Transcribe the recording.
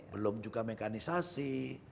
belum juga mekanisasi